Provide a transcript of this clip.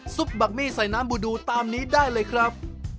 บักมี่ใส่น้ำบูดูตามนี้ได้เลยครับ